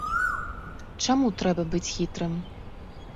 Чаму трэба быць хітрым?